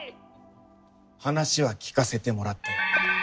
話は聞かせてもらったよ。